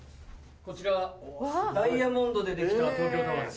こちらダイヤモンドで出来た東京タワーです。